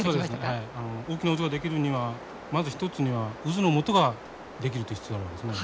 大きな渦が出来るにはまず一つには渦のもとが出来る必要があるんですね。